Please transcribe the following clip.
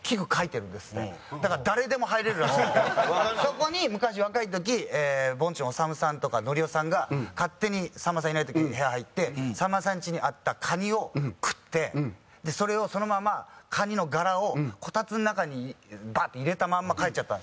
だから誰でも入れるらしいんですけどそこに昔若い時ぼんちのおさむさんとかのりおさんが勝手にさんまさんいない時に部屋入ってさんまさんちにあったカニを食ってそれをそのままカニのガラをコタツの中にバッて入れたまま帰っちゃったんですって。